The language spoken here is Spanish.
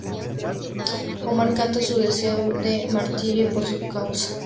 Omar canta su deseo de martirio por su causa.